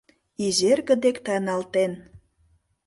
Изерге дек тайналтен